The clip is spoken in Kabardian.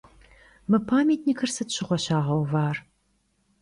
Mı pamyatnikır sıt şığue şağeuvar?